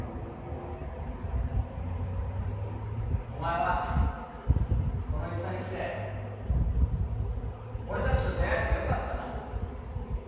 お前はこの戦に来て俺たちと出会えてよかったな。